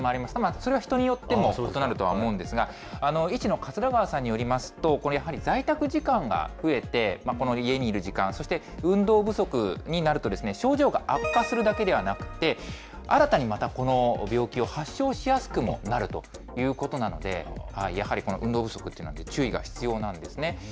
それは人によっても異なるとは思うんですが、医師の桂川さんによりますと、やはり在宅時間が増えて、家にいる時間、そして運動不足になると、症状が悪化するだけではなくて、新たにまたこの病気を発症しやすくもなるということなので、やはりこの運動不足っていうのは注意が必要なんですね。